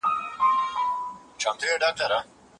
ایا تاسي د سترګو معاینه کړې ده؟